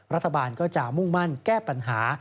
รัฐบาลก็จะมุ่งมั่นแก้ปัญหา